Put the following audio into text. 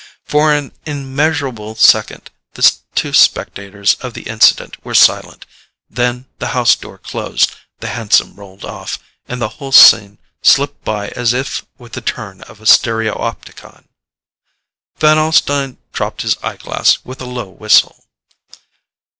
For an immeasurable second the two spectators of the incident were silent; then the house door closed, the hansom rolled off, and the whole scene slipped by as if with the turn of a stereopticon. Van Alstyne dropped his eye glass with a low whistle.